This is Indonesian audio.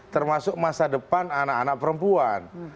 termasuk masa depan anak anak perempuan